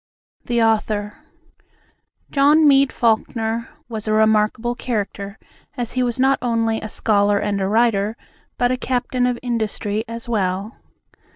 S.A. THE AUTHOR John Meade Falkner was a remarkable character, as he was not only a scholar and a writer, but a captain of industry as well.